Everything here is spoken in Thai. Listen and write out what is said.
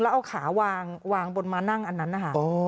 แล้วเอาขาวางบนมานั่งอันนั้นนะคะ